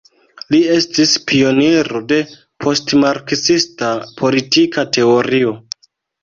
Li estis pioniro de postmarksista politika teorio.